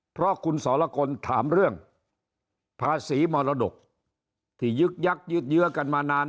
เพราะคุณสรกลถามเรื่องภาษีมรดกที่ยึกยักยืดเยื้อกันมานาน